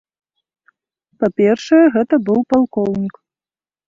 Па-першае, гэта быў палкоўнік.